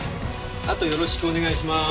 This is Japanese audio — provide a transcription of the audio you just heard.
あとよろしくお願いします。